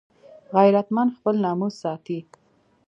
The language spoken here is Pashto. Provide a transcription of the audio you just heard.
غیرتمند خپل ناموس ساتي